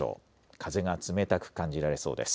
風が冷たく感じられそうです。